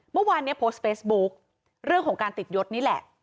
เมื่อวานนี้โพสต์เฟซบุ๊คเรื่องของการติดยศนี่แหละ